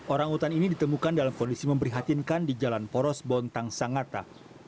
orang utan ini ditemukan dalam kondisi memprihatinkan di jalan poros bontang sangat